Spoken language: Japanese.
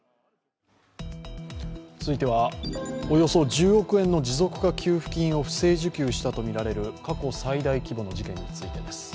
続いてはおよそ１０億円の持続化給付金を不正受給したとみられる過去最大規模の事件についてです。